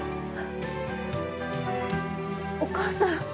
お義母さん。